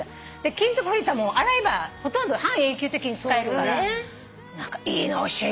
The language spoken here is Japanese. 金属フィルターも洗えばほとんど半永久的に使えるからいいの教えてもらった。